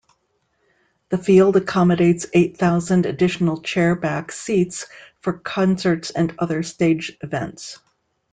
The field accommodates eight thousand additional chairback seats for concerts and other stage events.